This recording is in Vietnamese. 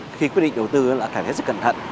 khi quyết định đầu tư là phải hết sức cẩn thận